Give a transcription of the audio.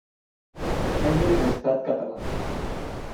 Membre d'Estat Català.